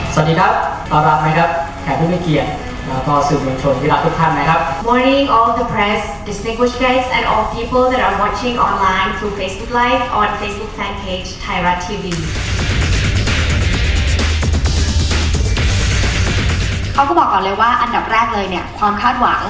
สวัสดีครับรับรักไหมครับแข่งผู้ไม่เกลียดรับรับสื่อเมืองโชว์ที่รักทุกท่านไหมครับ